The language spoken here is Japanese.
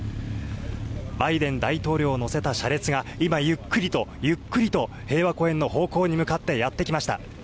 バイデン大統領を乗せた車列が今、ゆっくりとゆっくりと、平和公園の方向に向かってやって来ました。